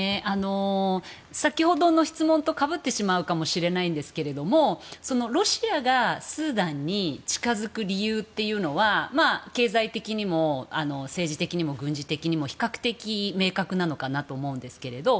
先ほどの質問とかぶってしまうかもしれませんがロシアがスーダンに近づく理由というのは経済的にも政治的にも、軍事的にも比較的、明確なのかなと思うんですけれども。